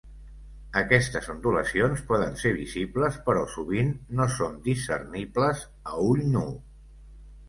Aquestes ondulacions poden ser visibles però sovint no són discernibles a ull nu.